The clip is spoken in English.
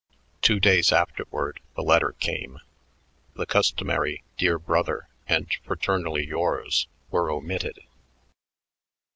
Two days afterward the letter came. The customary "Dear brother" and "Fraternally yours" were omitted.